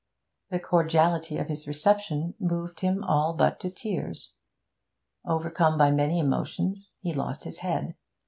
The cordiality of his reception moved him all but to tears; overcome by many emotions, he lost his head.